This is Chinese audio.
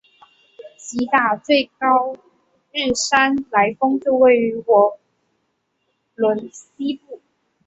吉打最高山日莱峰就位于莪仑西部。